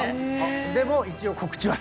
でも一応告知はすると。